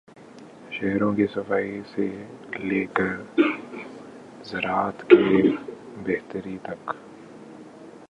شہروں کی صفائی سے لے کر زراعت کی بہتری تک۔